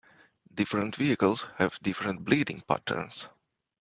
Different vehicles have different bleeding patterns.